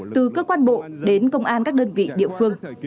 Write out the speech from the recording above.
từ cơ quan bộ đến công an các đơn vị địa phương